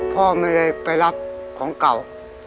พ่อไม่ได้ไปรับของเก่า